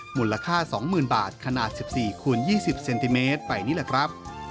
มูลค่า๒๐๐๐บาทขนาด๑๔คูณ๒๐เซนติเมตรไปนี่แหละครับ